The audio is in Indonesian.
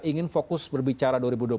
ingin fokus berbicara dua ribu dua puluh empat